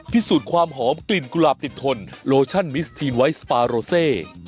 พิสูจน์ความหอมกลิ่นกุหลาบติดทนโลชั่นมิสทีนไวท์สปาโรเซ